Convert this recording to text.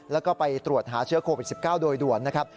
แล้วก็ไปตรวจหาเชื้อโควิด๑๙โดยด่วนนะครับ